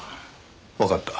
わかった。